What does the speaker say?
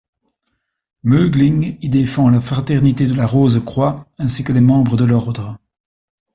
Mögling y défend la Fraternité de la Rose-Croix, ainsi que les membres de l'ordre.